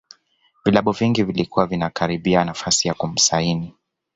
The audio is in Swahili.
vilabu vingi vilikuwa vinakaribia nafasi ya kumsaini